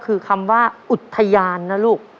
คือคำว่าอุทยานนะลูก